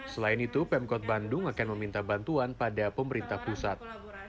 selain itu pemkot bandung juga melakukan pertunjukan secara virtual selain itu juga berkolaborasi dengan para seniman lainnya